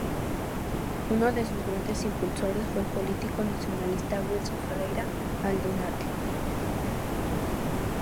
Uno de sus grandes impulsores fue el político nacionalista Wilson Ferreira Aldunate.